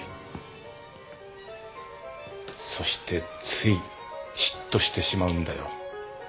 そしてついしっとしてしまうんだよ。